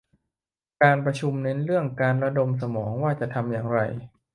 การประชุมเน้นเรื่องการระดมสมองว่าจะทำอย่างไร